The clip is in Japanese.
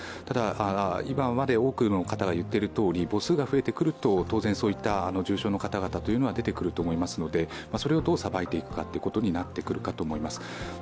ただ、今まで多くの方が言っているとおり母数が増えてくると当然重症の方々は出てくると思いますので、それをどうさばいていくかということになっていくかと思います。